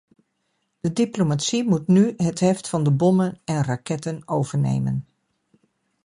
De diplomatie moet nu het heft van de bommen en raketten overnemen.